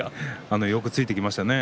よくついてきましたよね